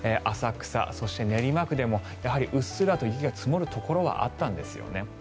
浅草、そして練馬区でもうっすらと雪が積もるところはあったんですよね。